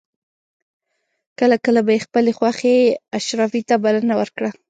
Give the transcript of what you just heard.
کله کله به یې خپلې خوښې اشرافي ته بلنه ورکړه.